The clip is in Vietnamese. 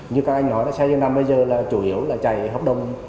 như các anh nói là xe dừng nằm bây giờ là chủ yếu là chạy hợp đồng